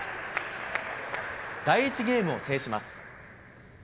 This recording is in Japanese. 第１ゲームを制します。